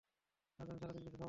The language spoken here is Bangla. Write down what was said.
আজ আমি সারাদিন কিছু খাবো না!